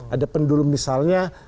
ada pendulum misalnya